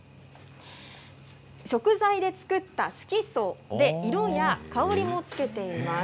食材で作った色素で色や香りをつけています。